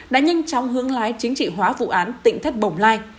đã nhanh chóng hướng lái chính trị hóa vụ án tỉnh thất bồng lai